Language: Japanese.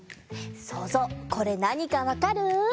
そうぞうこれなにかわかる？